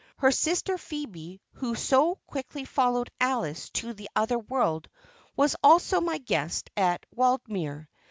Her sister Phœbe, who so quickly followed Alice to the other world, was also my guest at Waldemere.